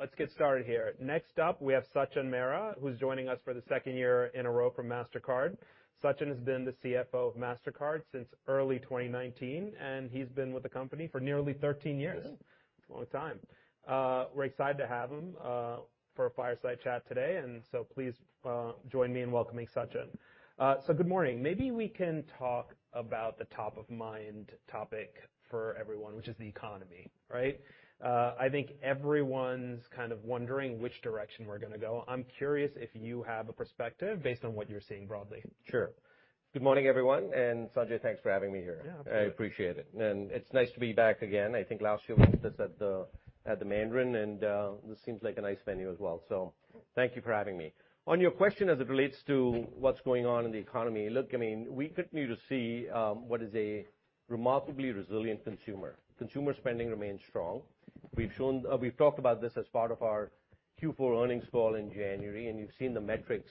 Let's get started here. Next up, we have Sachin Mehra, who's joining us for the second year in a row from Mastercard. Sachin has been the CFO of Mastercard since early 2019, and he's been with the company for nearly 13 years. Yeah. That's a long time. We're excited to have him for a fireside chat today. Please join me in welcoming Sachin. So good morning. Maybe we can talk about the top-of-mind topic for everyone, which is the economy, right? I think everyone's kind of wondering which direction we're gonna go. I'm curious if you have a perspective based on what you're seeing broadly. Sure. Good morning, everyone, and Sanjay, thanks for having me here. Yeah, absolutely. I appreciate it. It's nice to be back again. I think last year we were just at the Mandarin and this seems like a nice venue as well. Thank you for having me. On your question as it relates to what's going on in the economy, look, I mean, we continue to see what is a remarkably resilient consumer. Consumer spending remains strong. We've talked about this as part of our Q4 earnings call in January, and you've seen the metrics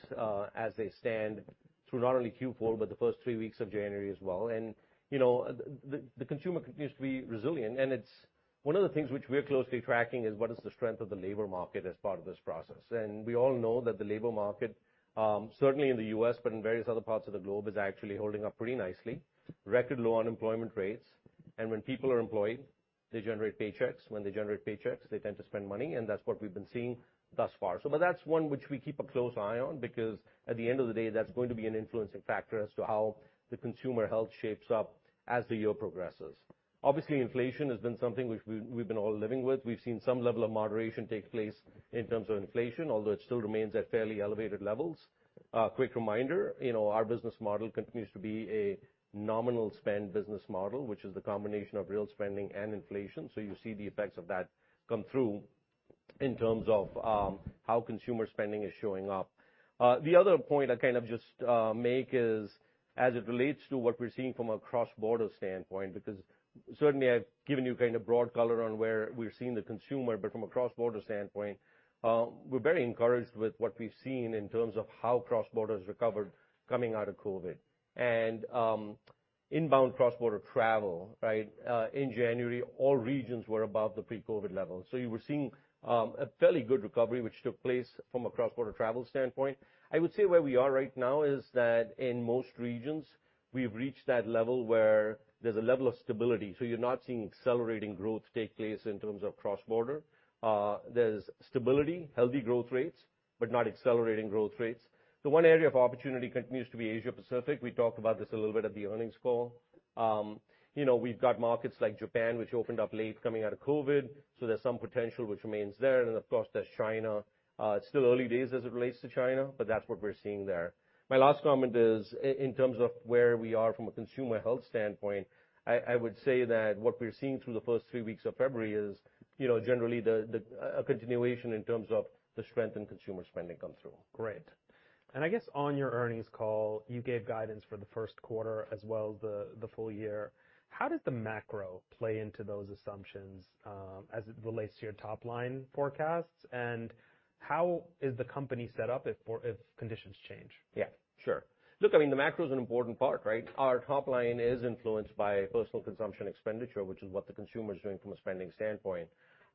as they stand through not only Q4, but the first three weeks of January as well. You know, the consumer continues to be resilient. It's one of the things which we're closely tracking is what is the strength of the labor market as part of this process. We all know that the labor market, certainly in the U.S., but in various other parts of the globe, is actually holding up pretty nicely. Record low unemployment rates. When people are employed, they generate paychecks. When they generate paychecks, they tend to spend money, and that's what we've been seeing thus far. That's one which we keep a close eye on because at the end of the day, that's going to be an influencing factor as to how the consumer health shapes up as the year progresses. Obviously, inflation has been something which we've been all living with. We've seen some level of moderation take place in terms of inflation, although it still remains at fairly elevated levels. Quick reminder, you know, our business model continues to be a nominal spend business model, which is the combination of real spending and inflation. You see the effects of that come through in terms of how consumer spending is showing up. The other point I kind of just make is as it relates to what we're seeing from a cross-border standpoint, because certainly I've given you kind of broad color on where we're seeing the consumer, but from a cross-border standpoint, we're very encouraged with what we've seen in terms of how cross-border has recovered coming out of COVID. Inbound cross-border travel, right, in January, all regions were above the pre-COVID levels. You were seeing a fairly good recovery which took place from a cross-border travel standpoint. I would say where we are right now is that in most regions, we've reached that level where there's a level of stability. You're not seeing accelerating growth take place in terms of cross-border. There's stability, healthy growth rates, but not accelerating growth rates. The one area of opportunity continues to be Asia-Pacific. We talked about this a little bit at the earnings call. You know, we've got markets like Japan, which opened up late coming out of COVID, so there's some potential which remains there. Of course, there's China. It's still early days as it relates to China, but that's what we're seeing there. My last comment is in terms of where we are from a consumer health standpoint, I would say that what we're seeing through the first three weeks of February is, you know, generally a continuation in terms of the strength in consumer spending come through. Great. I guess on your earnings call, you gave guidance for the first quarter as well as the full year. How does the macro play into those assumptions, as it relates to your top-line forecasts? How is the company set up if conditions change? Sure. Look, I mean, the macro is an important part, right? Our top-line is influenced by personal consumption expenditure, which is what the consumer is doing from a spending standpoint.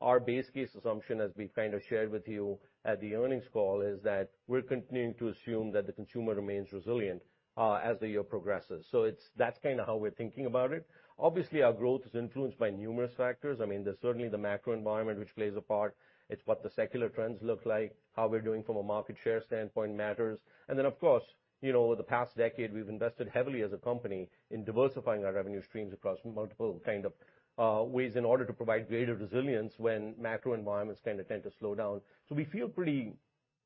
Our base case assumption, as we kind of shared with you at the earnings call, is that we're continuing to assume that the consumer remains resilient as the year progresses. That's kinda how we're thinking about it. Obviously, our growth is influenced by numerous factors. I mean, there's certainly the macro environment which plays a part. It's what the secular trends look like. How we're doing from a market share standpoint matters. Of course, you know, over the past decade, we've invested heavily as a company in diversifying our revenue streams across multiple kind of ways in order to provide greater resilience when macro environments kinda tend to slow down. We feel pretty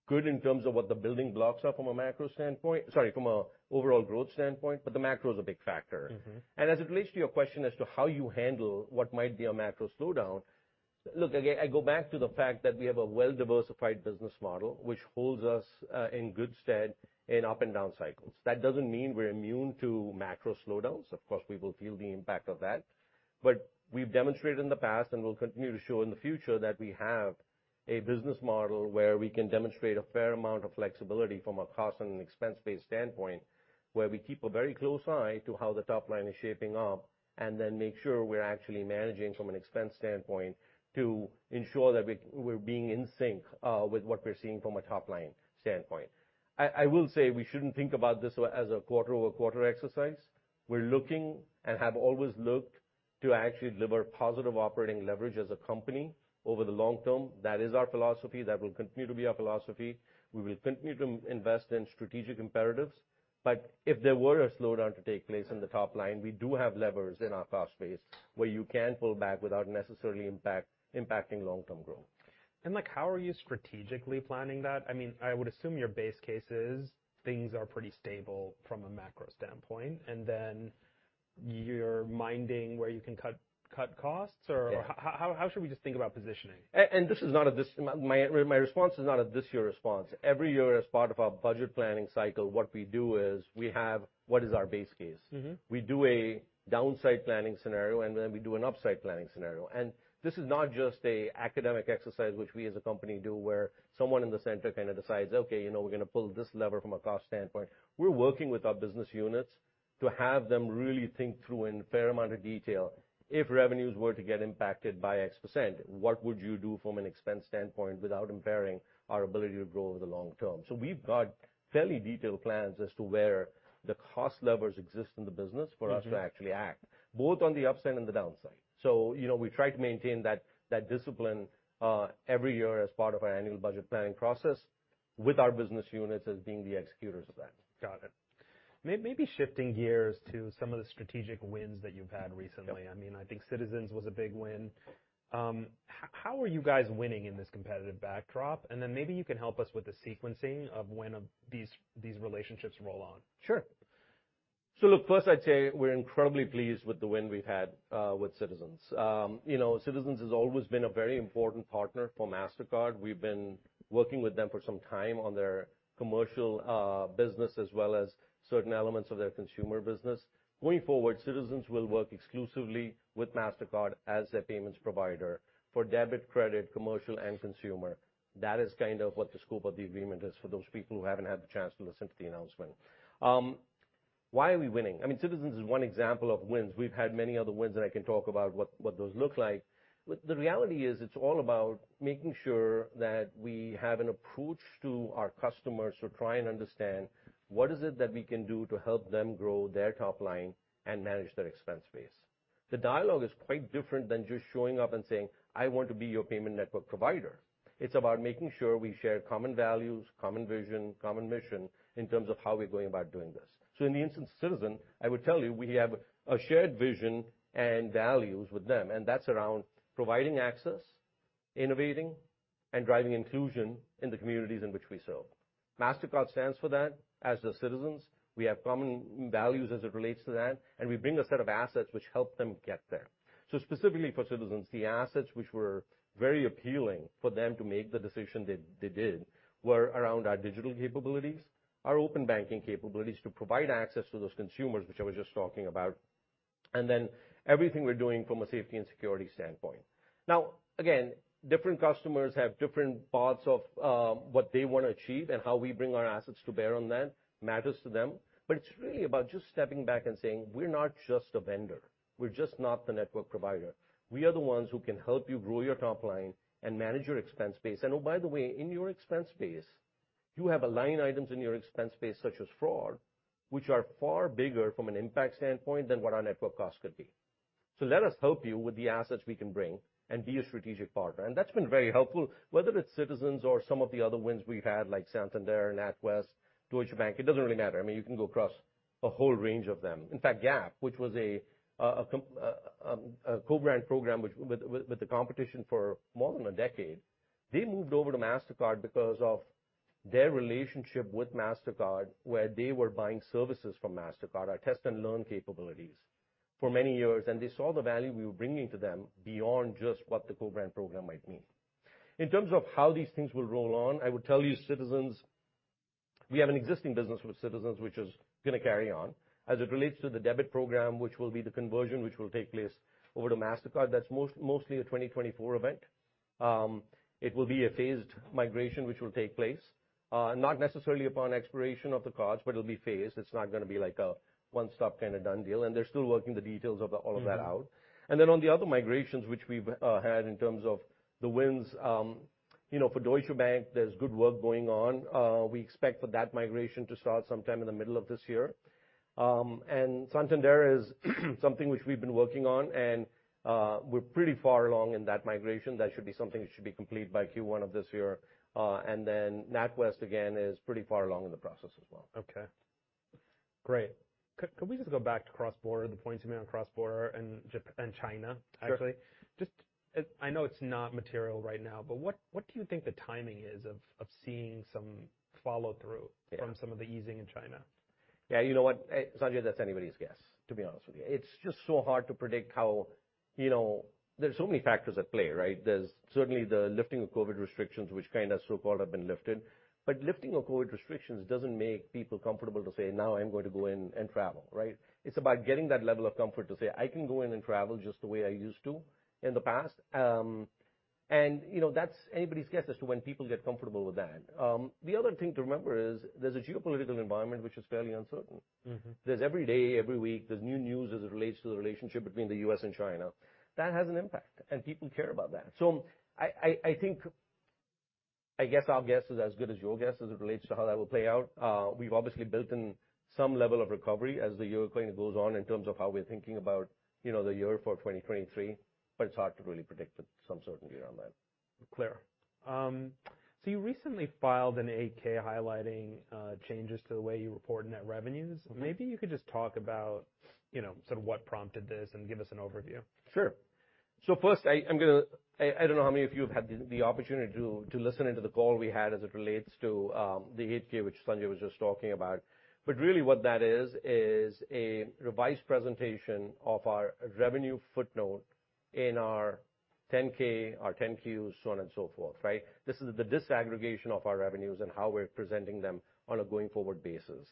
good in terms of what the building blocks are from a macro standpoint. Sorry, from a overall growth standpoint, but the macro is a big factor. Mm-hmm. As it relates to your question as to how you handle what might be a macro slowdown, look, again, I go back to the fact that we have a well-diversified business model, which holds us in good stead in up and down cycles. That doesn't mean we're immune to macro slowdowns. Of course, we will feel the impact of that. We've demonstrated in the past, and we'll continue to show in the future, that we have a business model where we can demonstrate a fair amount of flexibility from a cost and an expense-based standpoint, where we keep a very close eye to how the top-line is shaping up and then make sure we're actually managing from an expense standpoint to ensure that we're being in sync with what we're seeing from a top-line standpoint. I will say we shouldn't think about this as a quarter-over-quarter exercise. We're looking and have always looked to actually deliver positive operating leverage as a company over the long term. That is our philosophy. That will continue to be our philosophy. We will continue to invest in strategic imperatives. If there were a slowdown to take place in the top-line, we do have levers in our cost base where you can pull back without necessarily impacting long-term growth. Like, how are you strategically planning that? I mean, I would assume your base case is things are pretty stable from a macro standpoint, and then you're minding where you can cut costs? Yeah. How should we just think about positioning? My response is not a this year response. Every year as part of our budget planning cycle, what we do is we have what is our base case. Mm-hmm. We do a downside planning scenario, then we do an upside planning scenario. This is not just a academic exercise which we as a company do, where someone in the center kinda decides, "Okay, you know, we're gonna pull this lever from a cost standpoint." We're working with our business units to have them really think through in fair amount of detail, if revenues were to get impacted by X%, what would you do from an expense standpoint without impairing our ability to grow over the long term? We've got fairly detailed plans as to where the cost levers exist in the business for us to actually act, both on the upside and the downside. You know, we try to maintain that discipline every year as part of our annual budget planning process with our business units as being the executors of that. Got it. Maybe shifting gears to some of the strategic wins that you've had recently. Yep. I mean, I think Citizens was a big win. How are you guys winning in this competitive backdrop? Maybe you can help us with the sequencing of when these relationships roll on. Sure. Look, first I'd say we're incredibly pleased with the win we've had with Citizens. You know, Citizens has always been a very important partner for Mastercard. We've been working with them for some time on their commercial business as well as certain elements of their consumer business. Going forward, Citizens will work exclusively with Mastercard as their payments provider for debit, credit, commercial and consumer. That is kind of what the scope of the agreement is for those people who haven't had the chance to listen to the announcement. Why are we winning? I mean Citizens is one example of wins. We've had many other wins that I can talk about what those look like. The reality is it's all about making sure that we have an approach to our customers to try and understand what is it that we can do to help them grow their top-line and manage their expense base. The dialogue is quite different than just showing up and saying, "I want to be your payment network provider." It's about making sure we share common values, common vision, common mission in terms of how we're going about doing this. In the instance of Citizens, I would tell you, we have a shared vision and values with them, and that's around providing access, innovating and driving inclusion in the communities in which we serve. Mastercard stands for that. As does Citizens. We have common values as it relates to that, and we bring a set of assets which help them get there. Specifically for Citizens, the assets which were very appealing for them to make the decision they did, were around our digital capabilities, our Open Banking capabilities to provide access to those consumers, which I was just talking about, and then everything we're doing from a safety and security standpoint. Again, different customers have different parts of what they wanna achieve and how we bring our assets to bear on that matters to them. It's really about just stepping back and saying, "We're not just a vendor. We're just not the network provider. We are the ones who can help you grow your top-line and manage your expense base. Oh, by the way, in your expense base, you have line items in your expense base, such as fraud, which are far bigger from an impact standpoint than what our network costs could be. Let us help you with the assets we can bring and be a strategic partner." That's been very helpful. Whether it's Citizens or some of the other wins we've had, like Santander, NatWest, Deutsche Bank, it doesn't really matter. I mean, you can go across a whole range of them. In fact, Gap, which was a co-brand program with the competition for more than a decade, they moved over to Mastercard because of their relationship with Mastercard, where they were buying services from Mastercard, our Test & Learn capabilities for many years, and they saw the value we were bringing to them beyond just what the co-brand program might mean. In terms of how these things will roll on, I would tell you, Citizens, we have an existing business with Citizens, which is gonna carry on. As it relates to the debit program, which will be the conversion, which will take place over to Mastercard, that's mostly a 2024 event. It will be a phased migration which will take place, not necessarily upon expiration of the cards, but it'll be phased. It's not gonna be like a one-stop kinda done deal, and they're still working the details of the. Mm-hmm. all of that out. On the other migrations which we've had in terms of the wins, you know, for Deutsche Bank, there's good work going on. We expect for that migration to start sometime in the middle of this year. Santander is something which we've been working on, and we're pretty far along in that migration. That should be something that should be complete by Q1 of this year. NatWest, again, is pretty far along in the process as well. Okay. Great. Could we just go back to cross-border, the points you made on cross-border and Japan and China, actually? Sure. Just, I know it's not material right now, but what do you think the timing is of seeing some follow-through? Yeah. from some of the easing in China? You know what? Rajiv, that's anybody's guess, to be honest with you. It's just so hard to predict how, you know, there are so many factors at play, right? There's certainly the lifting of COVID restrictions which kinda so-called have been lifted. Lifting of COVID restrictions doesn't make people comfortable to say, "Now I'm going to go in and travel," right? It's about getting that level of comfort to say, "I can go in and travel just the way I used to in the past." You know, that's anybody's guess as to when people get comfortable with that. The other thing to remember is there's a geopolitical environment which is fairly uncertain. Mm-hmm. There's every day, every week, there's new news as it relates to the relationship between the U.S. and China. That has an impact, people care about that. I think, I guess our guess is as good as your guess as it relates to how that will play out. We've obviously built in some level of recovery as the year, kind of goes on in terms of how we're thinking about, you know, the year for 2023, it's hard to really predict with some certainty around that. Clear. You recently filed an 8-K highlighting, changes to the way you report net revenues. Mm-hmm. Maybe you could just talk about, you know, sort of what prompted this and give us an overview. Sure. First, I don't know how many of you have had the opportunity to listen into the call we had as it relates to the 8-K, which Sanjay was just talking about. Really what that is is a revised presentation of our revenue footnote in our 10-K, our 10-Q, so on and so forth. This is the disaggregation of our revenues and how we're presenting them on a going-forward basis.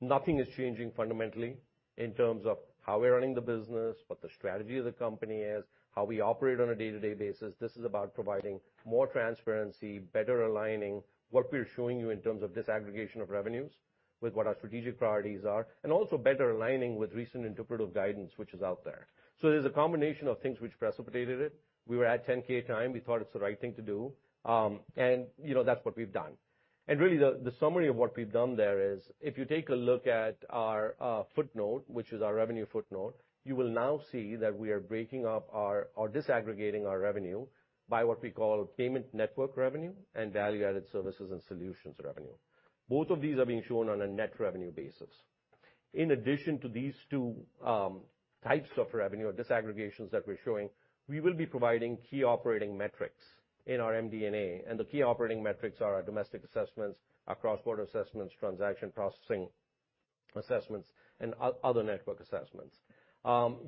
Nothing is changing fundamentally in terms of how we're running the business, what the strategy of the company is, how we operate on a day-to-day basis. This is about providing more transparency, better aligning what we're showing you in terms of disaggregation of revenues with what our strategic priorities are, and also better aligning with recent interpretive guidance, which is out there. There's a combination of things which precipitated it. We were at 10-K time. We thought it's the right thing to do. You know, that's what we've done. Really the summary of what we've done there is, if you take a look at our footnote, which is our revenue footnote, you will now see that we are breaking up our, or disaggregating our revenue by what we call payment network revenue and value-added services and solutions revenue. Both of these are being shown on a net revenue basis. In addition to these two types of revenue or disaggregations that we're showing, we will be providing key operating metrics in our MD&A. The key operating metrics are our domestic assessments, our cross-border assessments, transaction processing assessments, and other network assessments.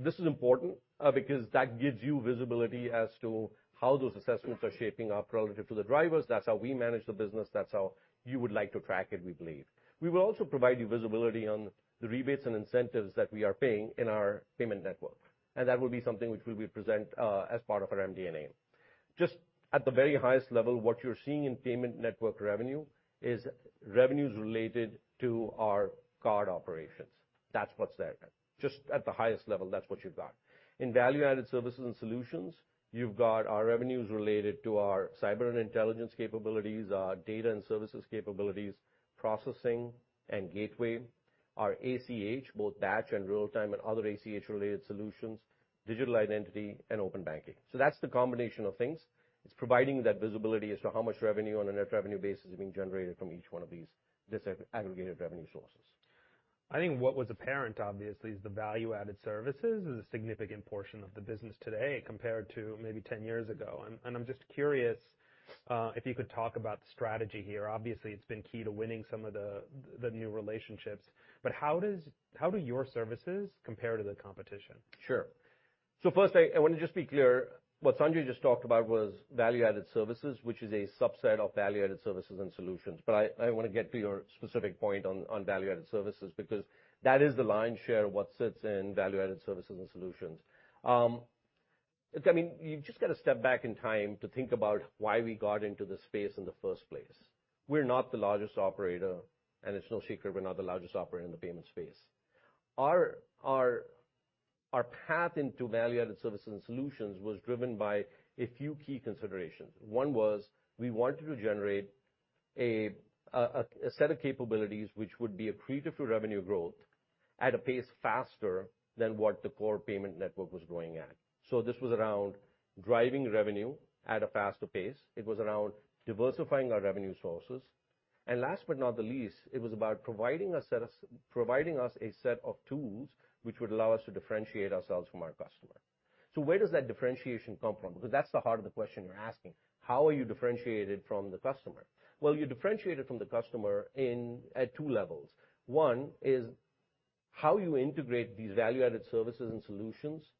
This is important because that gives you visibility as to how those assessments are shaping up relative to the drivers. That's how we manage the business. That's how you would like to track it, we believe. We will also provide you visibility on the rebates and incentives that we are paying in our payment network, and that will be something which we will present as part of our MD&A. Just at the very highest level, what you're seeing in payment network revenue is revenues related to our card operations. That's what's there. Just at the highest level, that's what you've got. In value-added services and solutions, you've got our revenues related to our Cyber & Intelligence capabilities, our Data & Services capabilities, processing and gateway, our ACH, both batch and real-time, and other ACH-related solutions, Digital ID and Open Banking. That's the combination of things. It's providing that visibility as to how much revenue on a net revenue basis is being generated from each one of these disaggregated revenue sources. I think what was apparent, obviously, is the value-added services is a significant portion of the business today compared to maybe 10 years ago, and I'm just curious, if you could talk about the strategy here. Obviously, it's been key to winning some of the new relationships, but how do your services compare to the competition? Sure. First, I wanna just be clear. What Sanjay just talked about was value-added services, which is a subset of value-added services and solutions. I wanna get to your specific point on value-added services because that is the lion's share of what sits in value-added services and solutions. I mean, you just gotta step back in time to think about why we got into this space in the first place. We're not the largest operator, and it's no secret we're not the largest operator in the payment space. Our path into value-added services and solutions was driven by a few key considerations. One was we wanted to generate a set of capabilities which would be accretive to revenue growth at a pace faster than what the core payment network was growing at. This was around driving revenue at a faster pace. It was around diversifying our revenue sources. Last but not the least, it was about providing us a set of tools which would allow us to differentiate ourselves from our customer. Where does that differentiation come from? Because that's the heart of the question you're asking. How are you differentiated from the customer? You differentiate it from the customer at two levels. One is how you integrate these value-added services and solutions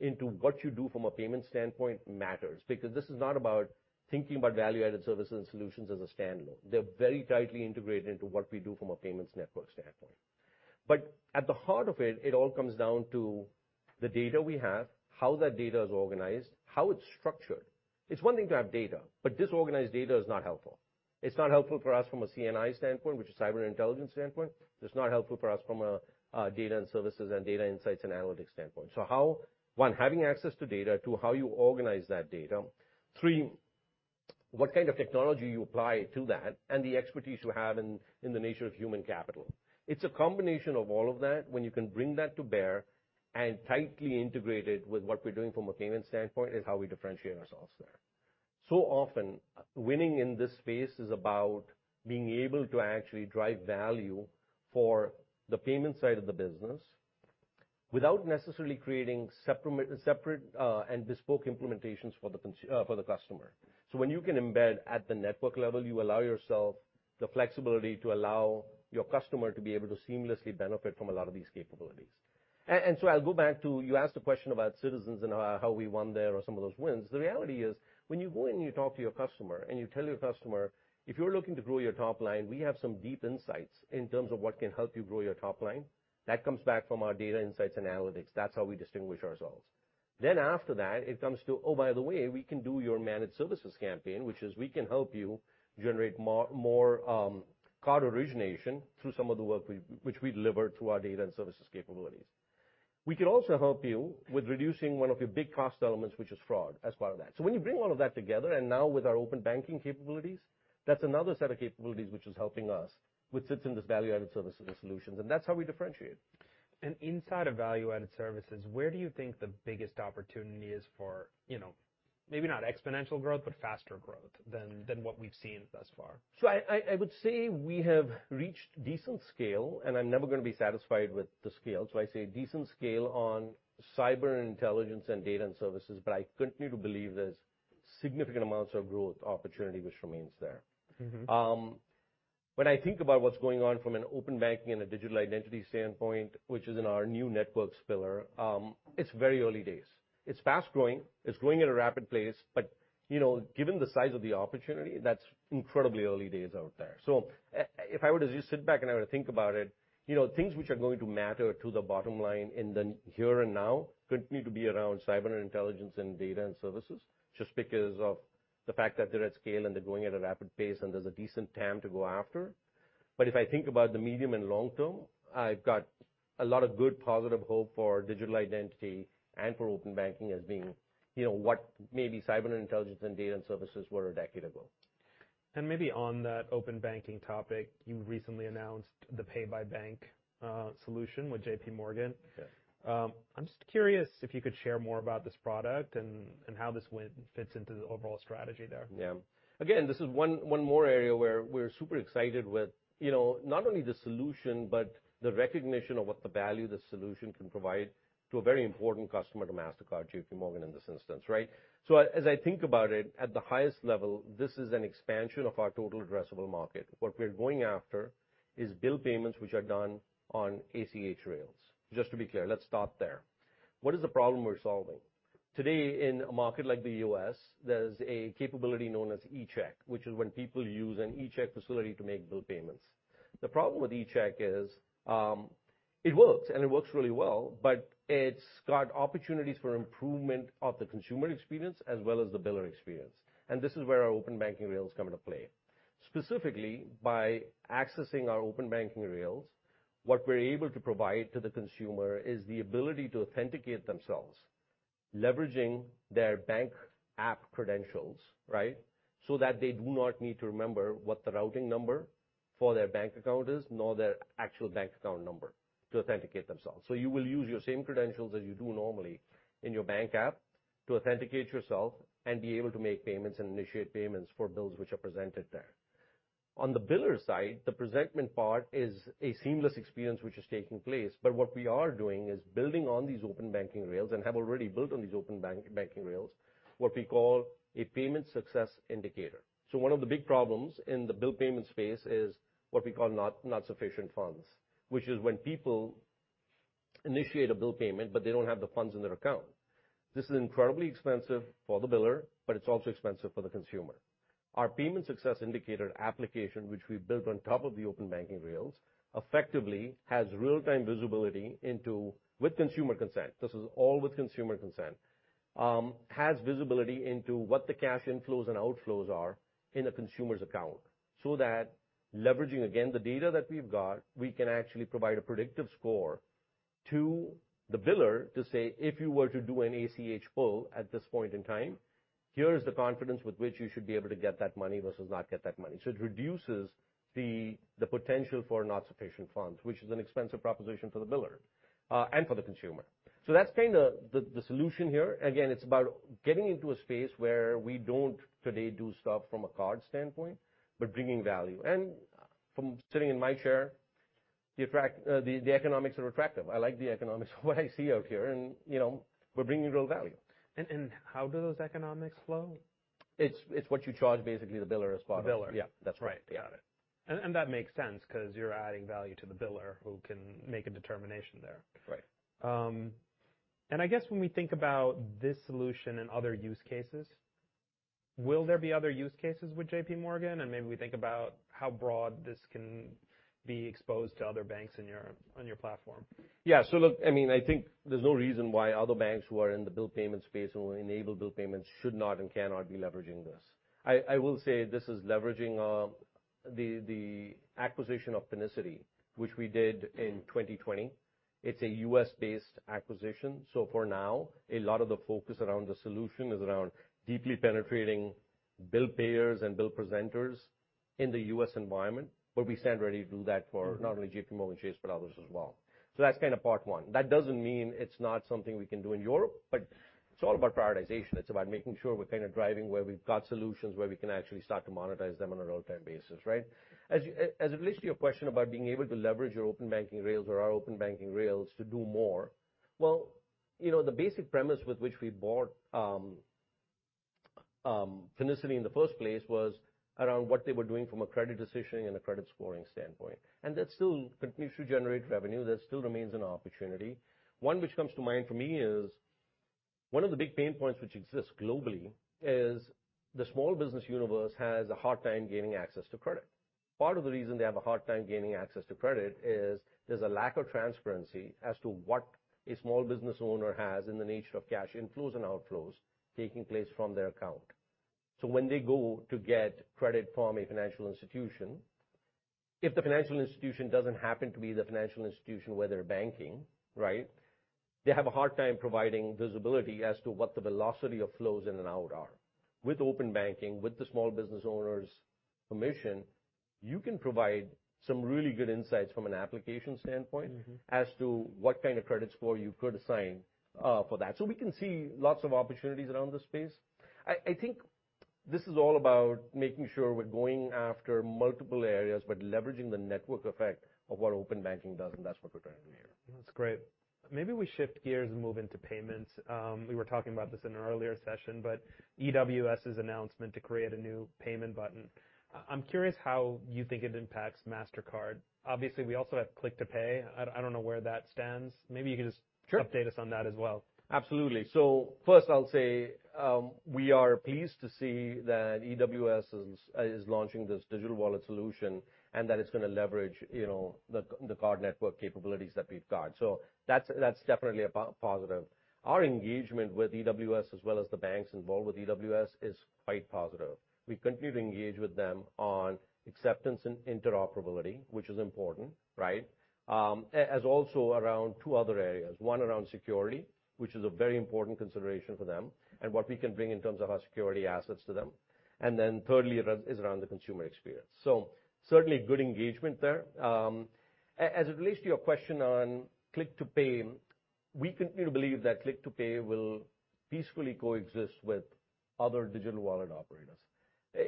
into what you do from a payment standpoint matters because this is not about thinking about value-added services and solutions as a standalone. They're very tightly integrated into what we do from a payment network standpoint. At the heart of it all comes down to the data we have, how that data is organized, how it's structured. It's one thing to have data, but disorganized data is not helpful. It's not helpful for us from a C&I standpoint, which is Cyber & Intelligence standpoint. It's not helpful for us from a Data & Services and data insights and analytics standpoint. How... one, having access to data. Two, how you organize that data. Three, what kind of technology you apply to that and the expertise you have in the nature of human capital. It's a combination of all of that. When you can bring that to bear and tightly integrate it with what we're doing from a payment standpoint is how we differentiate ourselves there. Often, winning in this space is about being able to actually drive value for the payment side of the business without necessarily creating separate and bespoke implementations for the customer. When you can embed at the network level, you allow yourself the flexibility to allow your customer to be able to seamlessly benefit from a lot of these capabilities. I'll go back to, you asked a question about Citizens and how we won there or some of those wins. The reality is, when you go in and you talk to your customer, and you tell your customer, "If you're looking to grow your top-line, we have some deep insights in terms of what can help you grow your top-line," that comes back from our data insights and analytics. That's how we distinguish ourselves. After that, it comes to, Oh, by the way, we can do your managed services campaign, which is we can help you generate more card origination through some of the work we, which we deliver through our Data & Services capabilities. We can also help you with reducing one of your big cost elements, which is fraud, as part of that. When you bring all of that together, and now with our Open Banking capabilities, that's another set of capabilities which is helping us, which sits in this value-added services and solutions, and that's how we differentiate. Inside of value-added services, where do you think the biggest opportunity is for, you know, maybe not exponential growth, but faster growth than what we've seen thus far? I would say we have reached decent scale, and I'm never gonna be satisfied with the scale, so I say decent scale on Cyber & Intelligence and Data & Services, but I continue to believe there's significant amounts of growth opportunity which remains there. Mm-hmm. When I think about what's going on from an Open Banking and a Digital ID standpoint, which is in our new networks pillar, it's very early days. It's fast-growing. It's growing at a rapid pace, you know, given the size of the opportunity, that's incredibly early days out there. If I were to just sit back and I were to think about it, you know, things which are going to matter to the bottom line in the here and now continue to be around Cyber & Intelligence and Data & Services just because of the fact that they're at scale, and they're growing at a rapid pace, and there's a decent TAM to go after. If I think about the medium and long term, I've got a lot of good, positive hope for Digital ID and for Open Banking as being, you know, what maybe Cyber & Intelligence and Data & Services were a decade ago. Maybe on that Open Banking topic, you recently announced the Pay-by-Bank solution with JPMorgan. Yes. I'm just curious if you could share more about this product and how this win fits into the overall strategy there? Again, this is one more area where we're super excited with, you know, not only the solution, but the recognition of what the value the solution can provide to a very important customer to Mastercard, JPMorgan, in this instance, right? As I think about it, at the highest level, this is an expansion of our total addressable market. What we're going after is bill payments, which are done on ACH rails. Just to be clear, let's start there. What is the problem we're solving? Today, in a market like the U.S., there's a capability known as eCheck, which is when people use an eCheck facility to make bill payments. The problem with eCheck is, it works, and it works really well, but it's got opportunities for improvement of the consumer experience as well as the biller experience. This is where our Open Banking rails come into play. Specifically, by accessing our Open Banking rails, what we're able to provide to the consumer is the ability to authenticate themselves, leveraging their bank app credentials, right? That they do not need to remember what the routing number for their bank account is, nor their actual bank account number to authenticate themselves. You will use your same credentials as you do normally in your bank app to authenticate yourself and be able to make payments and initiate payments for bills which are presented there. On the biller side, the presentment part is a seamless experience which is taking place. What we are doing is building on these Open Banking rails, and have already built on these Open Banking rails, what we call a Payment Success Indicator. One of the big problems in the bill payment space is what we call not sufficient funds, which is when people initiate a bill payment, but they don't have the funds in their account. This is incredibly expensive for the biller, but it's also expensive for the consumer. Our Payment Success Indicator application, which we've built on top of the Open Banking rails, effectively has real-time visibility into, with consumer consent, this is all with consumer consent, has visibility into what the cash inflows and outflows are in a consumer's account, that leveraging, again, the data that we've got, we can actually provide a predictive score to the biller to say, "If you were to do an ACH pull at this point in time, here is the confidence with which you should be able to get that money versus not get that money." It reduces the potential for not sufficient funds, which is an expensive proposition for the biller, and for the consumer. That's kind of the solution here. Again, it's about getting into a space where we don't today do stuff from a card standpoint, but bringing value. From sitting in my chair, the economics are attractive. I like the economics of what I see out here and, you know, we're bringing real value. How do those economics flow? It's what you charge basically the biller as part of it. The biller. Yeah. That's right. Got it. That makes sense 'cause you're adding value to the biller who can make a determination there. Right. I guess when we think about this solution and other use cases, will there be other use cases with JPMorgan? Maybe we think about how broad this can be exposed to other banks in your, on your platform? Look, I mean, I think there's no reason why other banks who are in the bill payment space or enable bill payments should not and cannot be leveraging this. I will say this is leveraging the acquisition of Finicity, which we did in 2020. It's a U.S.-based acquisition, so for now, a lot of the focus around the solution is around deeply penetrating bill payers and bill presenters in the U.S. environment, but we stand ready to do that. Mm-hmm. not only JPMorgan Chase, but others as well. That's kind of part one. That doesn't mean it's not something we can do in Europe, but it's all about prioritization. It's about making sure we're kind of driving where we've got solutions where we can actually start to monetize them on a real-time basis, right? As it relates to your question about being able to leverage your Open Banking rails or our Open Banking rails to do more, well, you know, the basic premise with which we bought Finicity in the first place was around what they were doing from a credit decisioning and a credit scoring standpoint. That still continues to generate revenue, that still remains an opportunity. One which comes to mind for me is one of the big pain points which exists globally is the small business universe has a hard time gaining access to credit. Part of the reason they have a hard time gaining access to credit is there's a lack of transparency as to what a small business owner has in the nature of cash inflows and outflows taking place from their account. When they go to get credit from a financial institution, if the financial institution doesn't happen to be the financial institution where they're banking, right? They have a hard time providing visibility as to what the velocity of flows in and out are. With Open Banking, with the small business owner's permission, you can provide some really good insights from an application standpoint- Mm-hmm. as to what kind of credit score you could assign, for that. We can see lots of opportunities around this space. I think this is all about making sure we're going after multiple areas, but leveraging the network effect of what Open Banking does, and that's what we're trying to do here. That's great. Maybe we shift gears and move into payments. We were talking about this in an earlier session, EWS's announcement to create a new payment button. I'm curious how you think it impacts Mastercard. Obviously, we also have Click to Pay. I don't know where that stands. Maybe you can. Sure. Update us on that as well. Absolutely. First I'll say, we are pleased to see that EWS is launching this digital wallet solution and that it's gonna leverage, you know, the card network capabilities that we've got. That's definitely a positive. Our engagement with EWS as well as the banks involved with EWS is quite positive. We continue to engage with them on acceptance and interoperability, which is important, right? As also around two other areas, one around security, which is a very important consideration for them, and what we can bring in terms of our security assets to them. Thirdly, is around the consumer experience. Certainly good engagement there. As it relates to your question on Click to Pay. We continue to believe that Click to Pay will peacefully coexist with other digital wallet operators.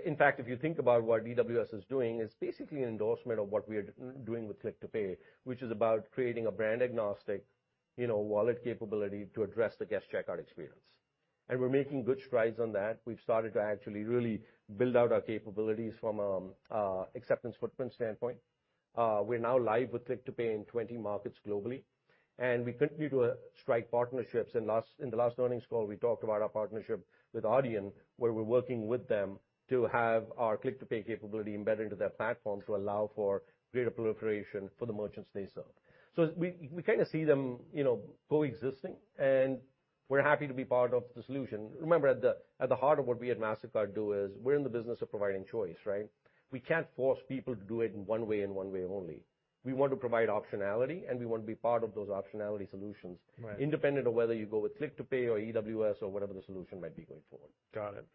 In fact, if you think about what EWS is doing, it's basically an endorsement of what we are doing with Click to Pay, which is about creating a brand agnostic, you know, wallet capability to address the guest checkout experience. We're making good strides on that. We've started to actually really build out our capabilities from acceptance footprint standpoint. We're now live with Click to Pay in 20 markets globally, and we continue to strike partnerships. In the last earnings call, we talked about our partnership with Adyen, where we're working with them to have our Click to Pay capability embedded into their platform to allow for greater proliferation for the merchants they serve. We, we kinda see them, you know, coexisting, and we're happy to be part of the solution. Remember, at the heart of what we at Mastercard do is we're in the business of providing choice, right? We can't force people to do it in one way and one way only. We want to provide optionality, and we want to be part of those optionality solutions. Right. independent of whether you go with Click to Pay or EWS or whatever the solution might be going forward. Got it.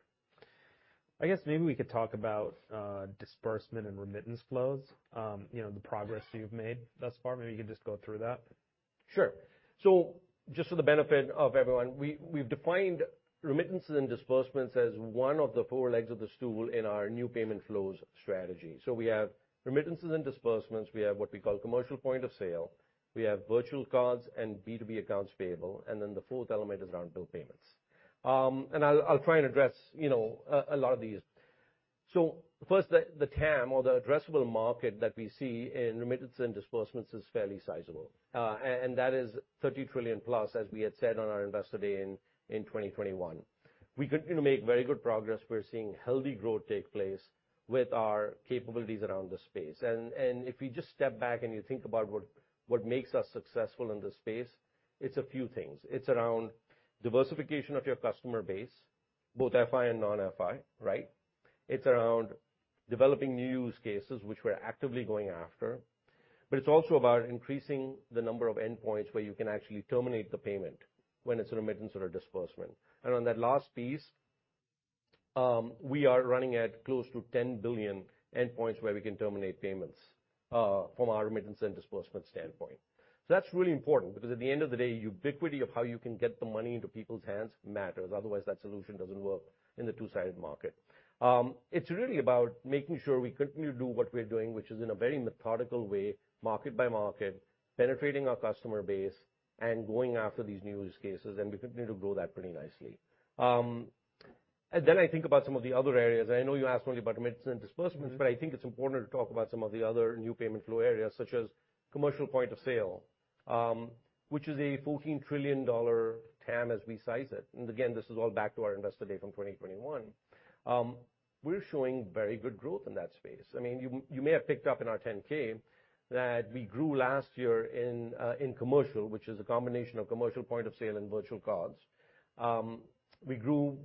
I guess maybe we could talk about disbursement and remittance flows, you know, the progress you've made thus far. Maybe you could just go through that. Sure. Just for the benefit of everyone, we've defined remittances and disbursements as one of the four legs of the stool in our new payment flows strategy. We have remittances and disbursements. We have what we call commercial point of sale. We have virtual cards and B2B accounts payable, the fourth element is around bill payments. I'll try and address, you know, a lot of these. First, the TAM or the addressable market that we see in remittance and disbursements is fairly sizable, and that is $30+ trillion, as we had said on our Investor Day in 2021. We continue to make very good progress. We're seeing healthy growth take place with our capabilities around the space. If you just step back and you think about what makes us successful in this space, it's a few things. It's around diversification of your customer base, both FI and non-FI, right? It's around developing new use cases which we're actively going after. It's also about increasing the number of endpoints where you can actually terminate the payment when it's a remittance or a disbursement. On that last piece, we are running at close to 10 billion endpoints where we can terminate payments from a remittance and disbursement standpoint. That's really important because at the end of the day, ubiquity of how you can get the money into people's hands matters. Otherwise, that solution doesn't work in the two-sided market. It's really about making sure we continue to do what we're doing, which is in a very methodical way, market by market, penetrating our customer base and going after these new use cases, and we continue to grow that pretty nicely. I think about some of the other areas. I know you asked me about remittance and disbursements. Mm-hmm. I think it's important to talk about some of the other new payment flow areas, such as commercial point of sale, which is a $14 trillion TAM as we size it. Again, this is all back to our Investor Day from 2021. We're showing very good growth in that space. I mean, you may have picked up in our 10-K that we grew last year in commercial, which is a combination of commercial point of sale and virtual cards. We grew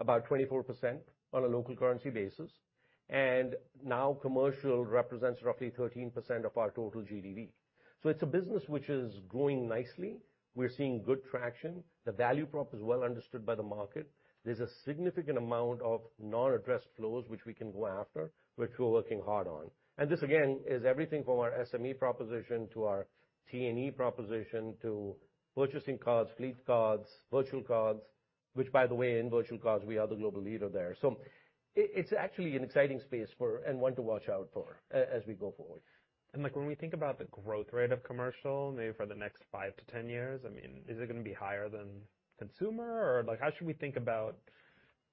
about 24% on a local currency basis, and now commercial represents roughly 13% of our total GDV. It's a business which is growing nicely. We're seeing good traction. The value prop is well understood by the market. There's a significant amount of non-addressed flows which we can go after, which we're working hard on. This, again, is everything from our SME proposition to our T&E proposition to purchasing cards, fleet cards, virtual cards, which by the way, in virtual cards, we are the global leader there. It's actually an exciting space for and one to watch out for as we go forward. Like, when we think about the growth rate of commercial, maybe for the next 5-10 years, I mean, is it gonna be higher than consumer? Like, how should we think about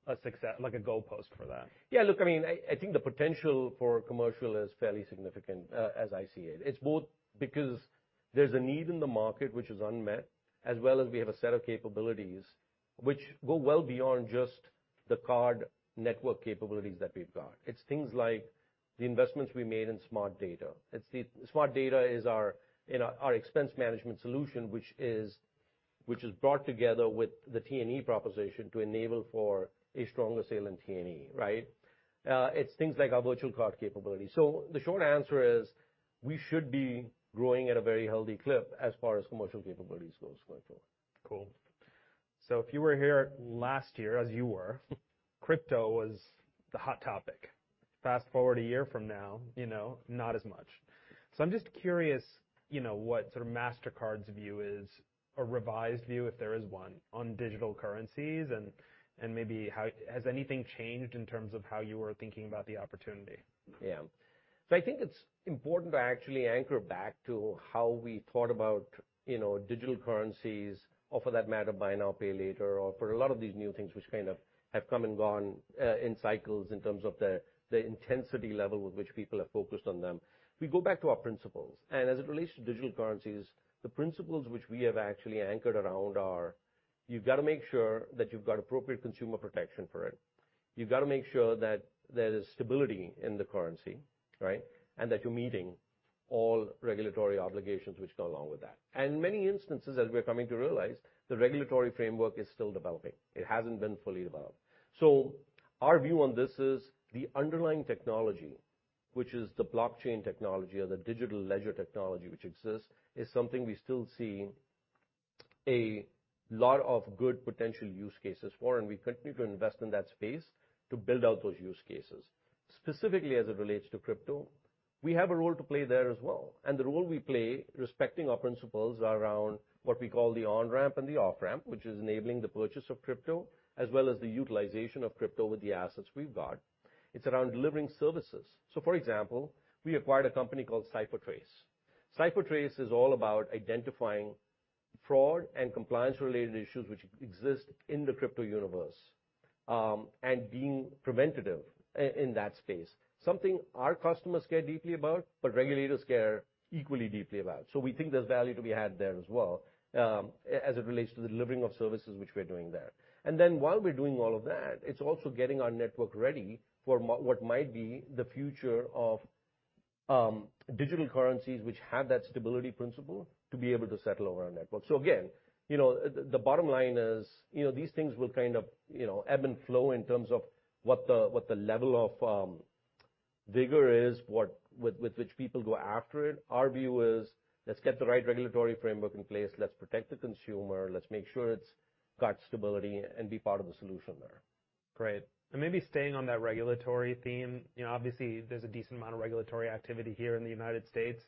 like a goalpost for that? Yeah. Look, I mean, I think the potential for commercial is fairly significant, as I see it. It's both because there's a need in the market which is unmet, as well as we have a set of capabilities which go well beyond just the card network capabilities that we've got. It's things like the investments we made in Smart Data. Smart Data is our, you know, our expense management solution, which is brought together with the T&E proposition to enable for a stronger sale in T&E, right? It's things like our virtual card capability. The short answer is we should be growing at a very healthy clip as far as commercial capabilities goes going forward. Cool. If you were here last year, as you were, crypto was the hot topic. Fast-forward a year from now, you know, not as much. I'm just curious, you know, what sort of Mastercard's view is, or revised view, if there is one, on digital currencies, and maybe has anything changed in terms of how you are thinking about the opportunity? I think it's important to actually anchor back to how we thought about, you know, digital currencies or for that matter, buy now, pay later, or for a lot of these new things which kind of have come and gone in cycles in terms of the intensity level with which people have focused on them. We go back to our principles, as it relates to digital currencies, the principles which we have actually anchored around are, you've got to make sure that you've got appropriate consumer protection for it. You've got to make sure that there is stability in the currency, right? That you're meeting all regulatory obligations which go along with that. Many instances, as we're coming to realize, the regulatory framework is still developing. It hasn't been fully developed. Our view on this is the underlying technology, which is the blockchain technology or the digital ledger technology which exists, is something we still see a lot of good potential use cases for, and we continue to invest in that space to build out those use cases. Specifically as it relates to crypto, we have a role to play there as well. The role we play, respecting our principles around what we call the on-ramp and the off-ramp, which is enabling the purchase of crypto, as well as the utilization of crypto with the assets we've got. It's around delivering services. For example, we acquired a company called CipherTrace. CipherTrace is all about identifying fraud and compliance-related issues which exist in the crypto universe, and being preventative in that space. Something our customers care deeply about, but regulators care equally deeply about. We think there's value to be had there as well, as it relates to the delivering of services which we're doing there. While we're doing all of that, it's also getting our network ready for what might be the future of digital currencies which have that stability principle to be able to settle over our network. Again, you know, the bottom line is, you know, these things will kind of, you know, ebb and flow in terms of what the level of vigor is, with which people go after it. Our view is, let's get the right regulatory framework in place, let's protect the consumer, let's make sure it's got stability, and be part of the solution there. Great. Maybe staying on that regulatory theme, you know, obviously, there's a decent amount of regulatory activity here in the United States.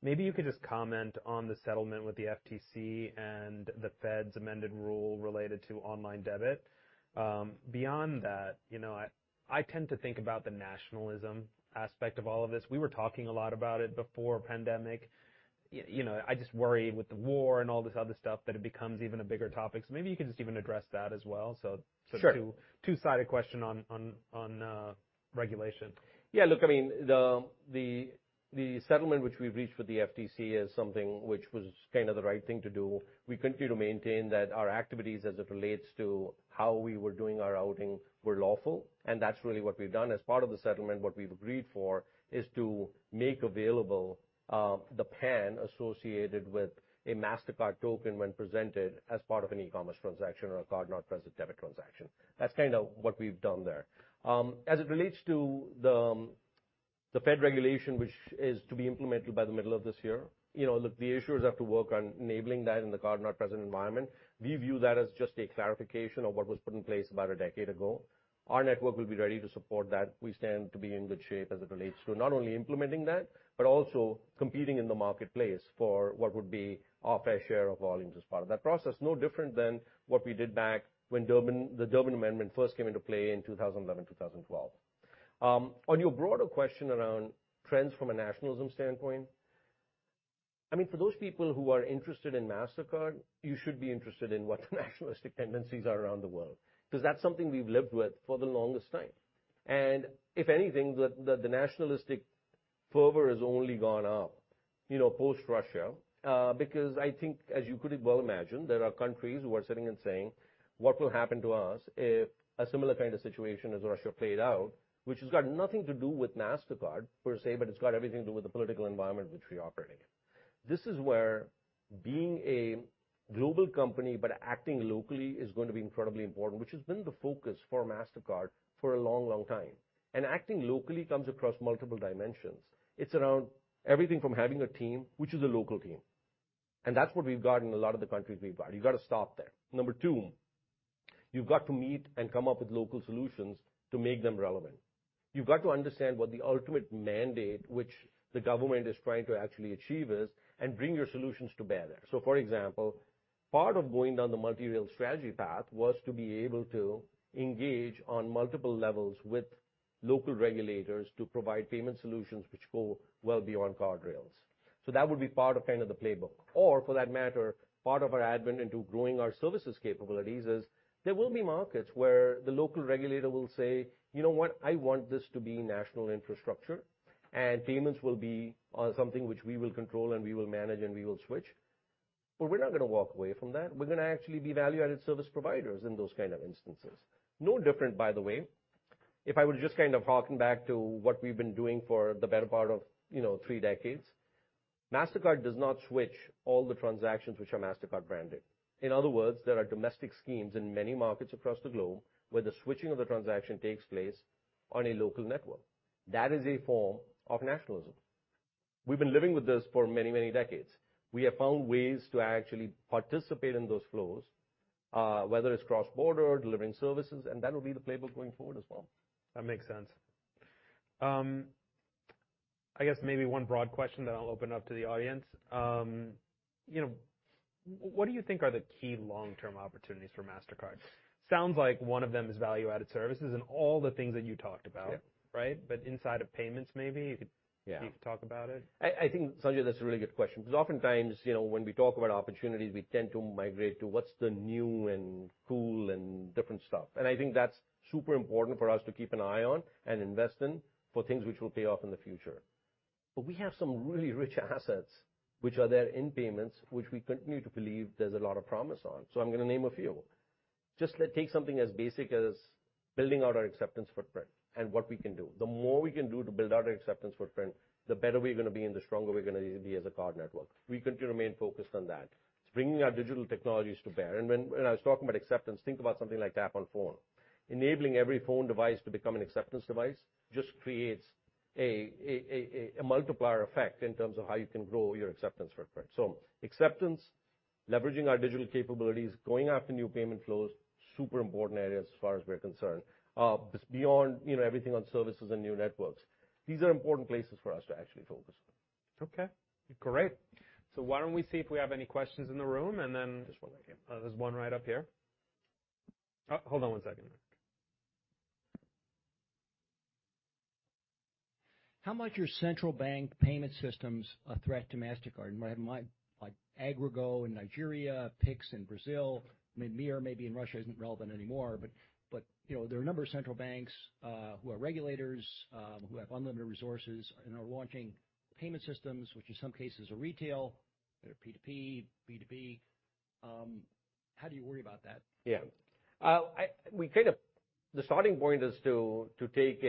Maybe you could just comment on the settlement with the FTC and the Fed's amended rule related to online debit. Beyond that, you know, I tend to think about the nationalism aspect of all of this. We were talking a lot about it before pandemic. You know, I just worry with the war and all this other stuff that it becomes even a bigger topic. Maybe you could just even address that as well. Sure. Sort of two-sided question on regulation. Yeah, look, I mean, the settlement which we've reached with the FTC is something which was kinda the right thing to do. We continue to maintain that our activities as it relates to how we were doing our outing were lawful. That's really what we've done. As part of the settlement, what we've agreed for is to make available the PAN associated with a Mastercard token when presented as part of an e-commerce transaction or a card-not-present debit transaction. That's kind of what we've done there. As it relates to the Fed regulation, which is to be implemented by the middle of this year, you know, look, the issuers have to work on enabling that in the card-not-present environment. We view that as just a clarification of what was put in place about a decade ago. Our network will be ready to support that. We stand to be in good shape as it relates to not only implementing that, but also competing in the marketplace for what would be our fair share of volumes as part of that process. No different than what we did back when Durbin, the Durbin Amendment first came into play in 2011, 2012. On your broader question around trends from a nationalism standpoint, I mean, for those people who are interested in Mastercard, you should be interested in what nationalistic tendencies are around the world, 'cause that's something we've lived with for the longest time. If anything, the, the nationalistic fervor has only gone up, you know, post-Russia. Because I think, as you could well imagine, there are countries who are sitting and saying, "What will happen to us if a similar kind of situation as Russia played out?" Which has got nothing to do with Mastercard, per se, but it's got everything to do with the political environment which we operate in. This is where being a global company, but acting locally is gonna be incredibly important, which has been the focus for Mastercard for a long, long time. Acting locally comes across multiple dimensions. It's around everything from having a team, which is a local team. That's what we've got in a lot of the countries we're part. You've gotta start there. Number two, you've got to meet and come up with local solutions to make them relevant. You've got to understand what the ultimate mandate, which the government is trying to actually achieve is, and bring your solutions to bear there. For example, part of going down the multi-rail strategy path was to be able to engage on multiple levels with local regulators to provide payment solutions which go well beyond card rails. That would be part of kind of the playbook. For that matter, part of our advent into growing our services capabilities is there will be markets where the local regulator will say, "You know what? I want this to be national infrastructure, and payments will be something which we will control and we will manage and we will switch." We're not going to walk away from that. We're going to actually be value-added service providers in those kind of instances. No different, by the way, if I were to just kind of hearken back to what we've been doing for the better part of, you know, three decades. Mastercard does not switch all the transactions which are Mastercard-branded. In other words, there are domestic schemes in many markets across the globe, where the switching of the transaction takes place on a local network. That is a form of nationalism. We've been living with this for many, many decades. We have found ways to actually participate in those flows, whether it's cross-border, delivering services, and that'll be the playbook going forward as well. That makes sense. I guess maybe one broad question. I'll open up to the audience. You know, what do you think are the key long-term opportunities for Mastercard? Sounds like one of them is value-added services and all the things that you talked about. Yeah. Right? Inside of payments, maybe you... Yeah. You could talk about it. I think, Sanjay, that's a really good question, 'cause oftentimes, you know, when we talk about opportunities, we tend to migrate to what's the new and cool and different stuff. I think that's super important for us to keep an eye on and invest in for things which will pay off in the future. We have some really rich assets which are there in payments, which we continue to believe there's a lot of promise on. I'm gonna name a few. Take something as basic as building out our acceptance footprint and what we can do. The more we can do to build out our acceptance footprint, the better we're gonna be and the stronger we're gonna be as a card network. We continue to remain focused on that. It's bringing our digital technologies to bear. When I was talking about acceptance, think about something like Tap on Phone. Enabling every phone device to become an acceptance device just creates a multiplier effect in terms of how you can grow your acceptance footprint. Acceptance, leveraging our digital capabilities, going after new payment flows, super important areas as far as we're concerned. Just beyond, you know, everything on services and new networks. These are important places for us to actually focus on. Okay. Great. Why don't we see if we have any questions in the room. Just one second. There's one right up here. Oh, hold on one second. How might your central bank payment systems a threat to Mastercard? Might like AfriGo in Nigeria, Pix in Brazil, Mir maybe in Russia isn't relevant anymore, you know, there are a number of central banks who are regulators who have unlimited resources and are launching payment systems, which in some cases are retail. They're P2P, B2B. How do you worry about that? Yeah. The starting point is to take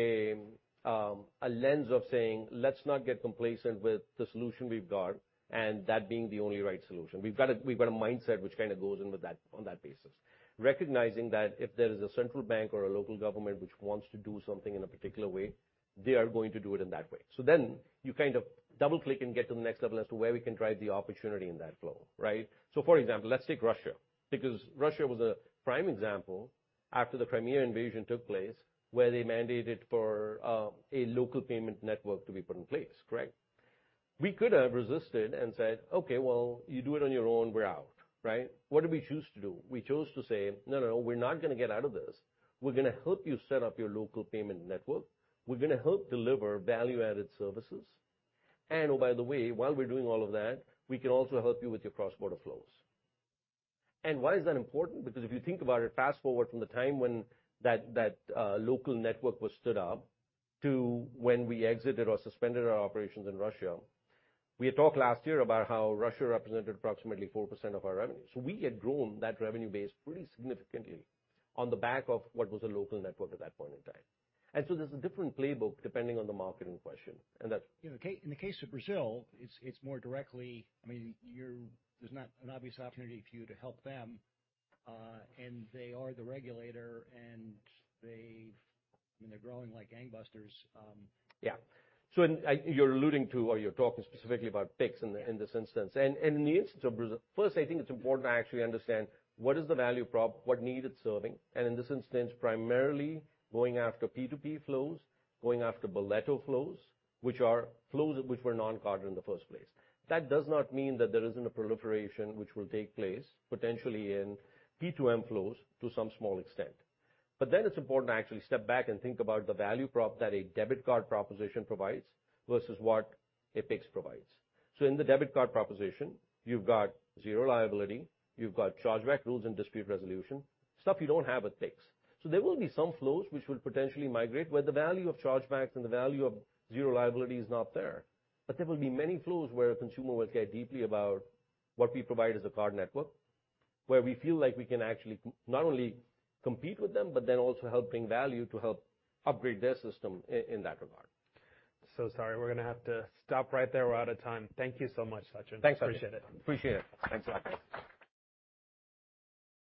a lens of saying, "Let's not get complacent with the solution we've got," and that being the only right solution. We've got a mindset which kind of goes on that basis. Recognizing that if there is a central bank or a local government which wants to do something in a particular way, they are going to do it in that way. You kind of double-click and get to the next level as to where we can drive the opportunity in that flow, right? For example, let's take Russia, because Russia was a prime example after the Crimea invasion took place, where they mandated for a local payment network to be put in place, correct? We could have resisted and said, "Okay, well you do it on your own, we're out," right? What did we choose to do? We chose to say, "No, no, we're not gonna get out of this. We're gonna help you set up your local payment network. We're gonna help deliver value-added services. Oh, by the way, while we're doing all of that, we can also help you with your cross-border flows." Why is that important? Because if you think about it, fast-forward from the time when that local network was stood up to when we exited or suspended our operations in Russia, we had talked last year about how Russia represented approximately 4% of our revenue. We had grown that revenue base pretty significantly on the back of what was a local network at that point in time. There's a different playbook depending on the market in question. In the case of Brazil, it's more directly. I mean, there's not an obvious opportunity for you to help them. They are the regulator, I mean, they're growing like gangbusters. Yeah. You're alluding to or you're talking specifically about Pix in this instance. In the instance of Brazil, first, I think it's important to actually understand what is the value prop, what need it's serving, and in this instance, primarily going after P2P flows, going after Boleto flows, which are flows which were non-card in the first place. That does not mean that there isn't a proliferation which will take place potentially in P2M flows to some small extent. It's important to actually step back and think about the value prop that a debit card proposition provides versus what a Pix provides. In the debit card proposition, you've got zero liability, you've got chargeback rules and dispute resolution, stuff you don't have with Pix. There will be some flows which will potentially migrate, where the value of chargebacks and the value of zero liability is not there. There will be many flows where a consumer will care deeply about what we provide as a card network, where we feel like we can actually not only compete with them, but then also help bring value to help upgrade their system in that regard. Sorry, we're gonna have to stop right there. We're out of time. Thank you so much, Sachin. Thanks, Sanjay. Appreciate it. Appreciate it. Thanks a lot.